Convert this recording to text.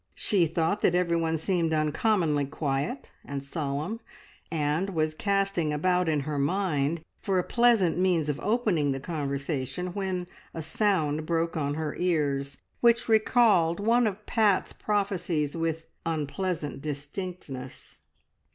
She thought that everyone seemed uncommonly quiet and solemn, and was casting about in her mind for a pleasant means of opening the conversation, when a sound broke on her ears which recalled one of Pat's prophecies with unpleasant distinctness.